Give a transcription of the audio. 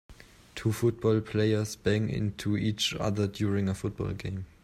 Two football players bang into each other during a football game.